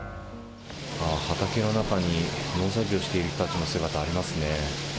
畑の中に農作業をしている人たちの姿ありますね。